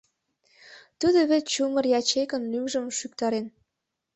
Тудо вет чумыр ячейкын лӱмжым шӱктарен!